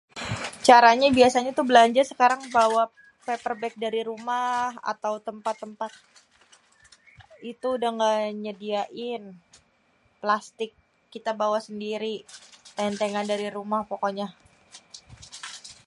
Caranyé biasanya tuh belanja bawa paper bag dari rumah atau tempat-tempat itu udah gak nyediain plastik kita bawa sendiri tentengan dari rumah pokoknya.